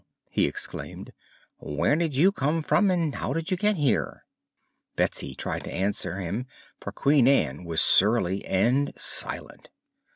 he exclaimed. "Where did you come from and how did you get here?" Betsy tried to answer him, for Queen Ann was surly and silent.